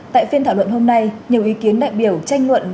tại phiên thảo luận hôm nay nhiều ý kiến đại biểu tranh luận